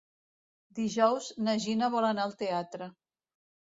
Dijous na Gina vol anar al teatre.